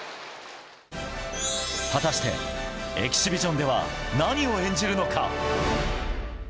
果たして、エキシビションでは何を演じるのか。